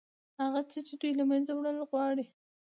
هغه څه چې دوی له منځه وړل غواړي.